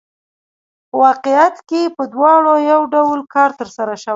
په واقعیت کې په دواړو یو ډول کار ترسره شوی